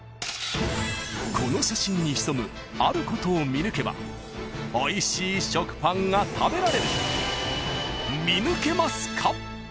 ［この写真に潜むあることを見抜けばおいしい食パンが食べられる］